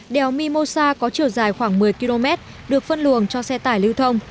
đèo mimosa có chiều dài khoảng một mươi km được phân luồng cho xe tải lưu thông